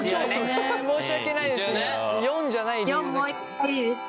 申し訳ないです。